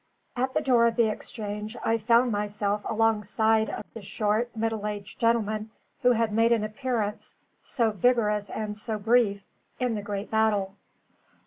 At the door of the exchange I found myself along side of the short, middle aged gentleman who had made an appearance, so vigorous and so brief, in the great battle.